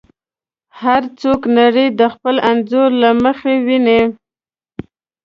هر څوک نړۍ د خپل انځور له مخې ویني.